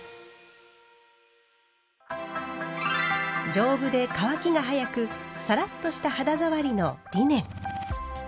丈夫で乾きが早くサラッとした肌触りのリネン。